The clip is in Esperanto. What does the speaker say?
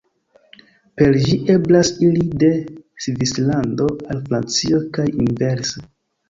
Per ĝi eblas iri de Svislando al Francio kaj inverse.